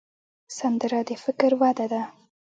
سندره د فکر وده ده